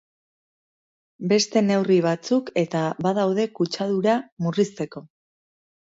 Beste neurri batzuk eta badaude kutsadura murrizteko